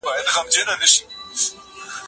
تاسي کله د سرلوړي پر لاره ولاړ سواست؟